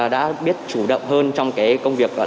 đã biết chủ động hơn trong công việc